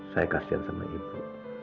saya kasihan sama ibu